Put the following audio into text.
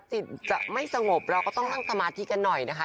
จิตจะไม่สงบเราก็ต้องนั่งสมาธิกันหน่อยนะคะ